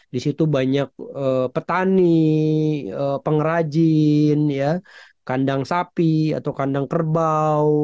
di situ banyak petani pengrajin kandang sapi atau kandang kerbau